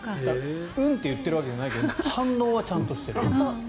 うんって言っているわけじゃないけど反応はちゃんとしている。